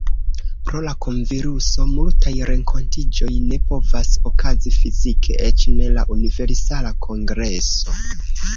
Pro la kronviruso multaj renkontiĝoj ne povas okazi fizike, eĉ ne la Universala Kongreso.